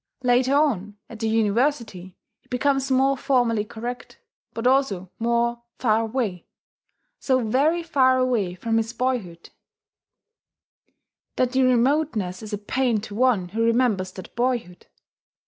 Later on, at the University, he becomes more formally correct, but also more far away, so very far away from his boyhood that the remoteness is a pain to one who remembers that boyhood.